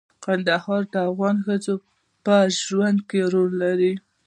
کندهار د افغان ښځو په ژوند کې رول لري.